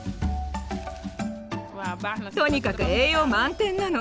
とにかく栄養満点なの。